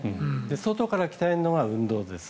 外から鍛えるのが運動です。